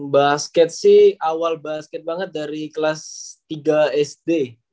basket sih awal basket banget dari kelas tiga sd